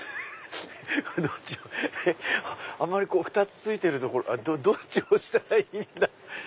あまり２つついてるとこどっち押したらいいんだ？